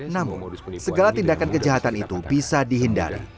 namun segala tindakan kejahatan itu bisa dihindari